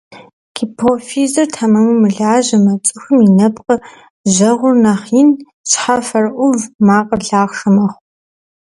Гипофизыр тэмэму мылажьэмэ, цӀыхум и нэпкъыр, жьэгъур нэхъ ин, щхьэфэр Ӏув, макъыр лъахъшэ мэхъу.